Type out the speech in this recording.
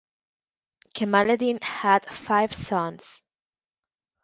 Kemaleddin had five sons.